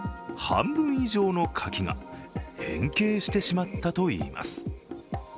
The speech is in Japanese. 半分以上の柿が変形してしまったといいます。